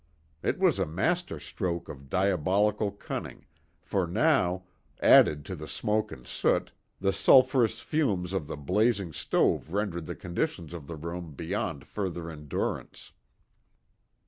It was a master stroke of diabolical cunning, for now, added to the smoke and soot, the sulphurous fumes of the blazing stove rendered the conditions of the room beyond further endurance.